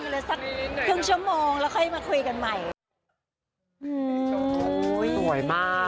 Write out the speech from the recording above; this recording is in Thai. ฝากซักพิเศษช่วงชั่วโมงแล้วค่อยที่มาคุยกันใหม่